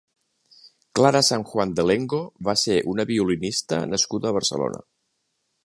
Clara San Juan de Lengo va ser una violinista nascuda a Barcelona.